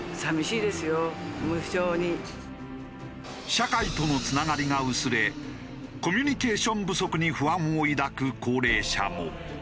社会とのつながりが薄れコミュニケーション不足に不安を抱く高齢者も。